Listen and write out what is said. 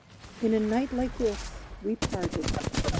In a night like this we parted.